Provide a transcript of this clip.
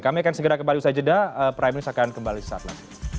pemikiran segera kembali usai jeda prime news akan kembali saat ini